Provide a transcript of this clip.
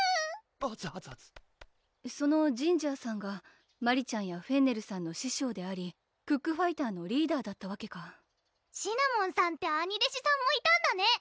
あつあつあつそのジンジャーさんがマリちゃんやフェンネルさんの師匠でありクックファイターのリーダーだったわけかシナモンさんって兄弟子さんもいたんだね